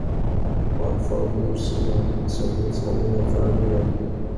Har farbror sina ansökningshandlingar färdiga?